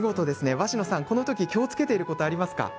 鷲野さん、この時気をつけていることありますか？